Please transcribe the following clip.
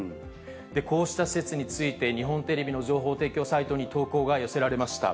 こうした施設について日本テレビの情報提供サイトに投稿が寄せられました。